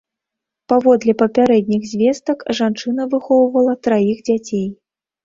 Паводле папярэдніх звестак, жанчына выхоўвала траіх дзяцей.